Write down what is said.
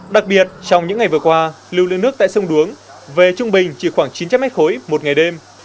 đặc biệt trong những ngày vừa qua lưu lượng nước tại sông đuống về trung bình chỉ khoảng chín trăm linh m khối một ngày đêm